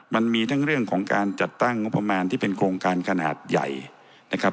มันมีทั้งเรื่องของการจัดตั้งงบประมาณที่เป็นโครงการขนาดใหญ่นะครับ